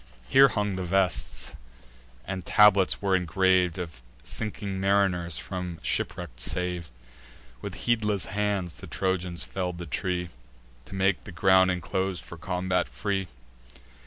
Here hung the vests, and tablets were engrav'd, Of sinking mariners from shipwreck sav'd. With heedless hands the Trojans fell'd the tree, To make the ground enclos'd for combat free.